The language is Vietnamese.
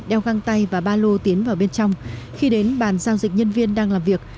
đeo găng tay và ba lô tiến vào bên trong khi đến bàn giao dịch nhân viên đang làm việc